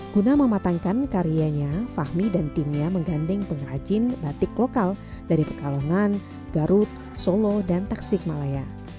guna mematangkan karyanya fahmi dan timnya menggandeng pengrajin batik lokal dari pekalongan garut solo dan tasik malaya